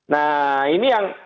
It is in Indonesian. nah ini yang